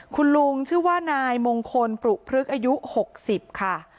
คุณลุงชื่อว่านายมงคลปรุพฤกษ์อายุ๖๐ค่ะ